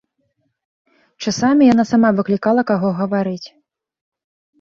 Часамі яна сама выклікала каго гаварыць.